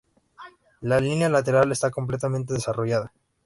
La línea lateral está completamente desarrollada.